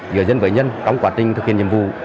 giữa dân với dân trong quá trình thực hiện nhiệm vụ